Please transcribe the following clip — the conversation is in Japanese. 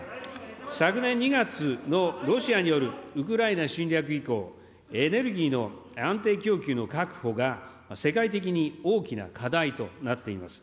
昨年２月のロシアによるウクライナ侵略以降、エネルギーの安定供給の確保が世界的に大きな課題となっています。